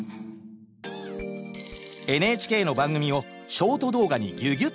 ＮＨＫの番組をショート動画にぎゅぎゅっと凝縮！